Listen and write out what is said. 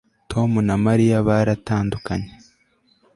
Tom na Mariya baratandukanye